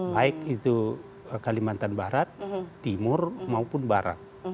baik itu kalimantan barat timur maupun barat